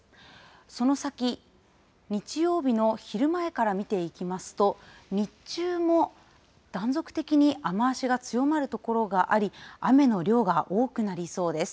その先、日曜日の昼前から見ていきますと、日中も断続的に雨足が強まる所があり、雨の量が多くなりそうです。